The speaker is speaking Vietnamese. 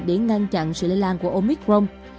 để ngăn chặn sự lây lan của omicron